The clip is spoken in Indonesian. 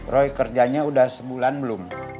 roy kerjanya udah sebulan belum